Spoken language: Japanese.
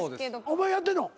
お前やってんの？